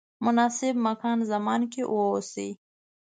مناسب مکان زمان کې واوسئ.